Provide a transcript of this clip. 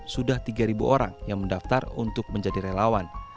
sudah tiga orang yang mendaftar untuk menjadi relawan